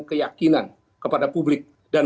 keyakinan kepada publik dan